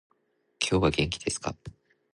今日は元気ですか？